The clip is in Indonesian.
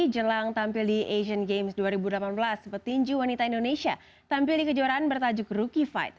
jelang tampil di asian games dua ribu delapan belas petinju wanita indonesia tampil di kejuaraan bertajuk rookie fight